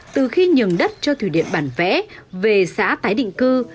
từ khi nhường đất cho thủy điện bản vẽ về xã tái định cư